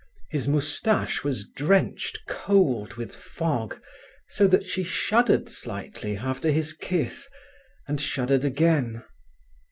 His moustache was drenched cold with fog, so that she shuddered slightly after his kiss, and shuddered again.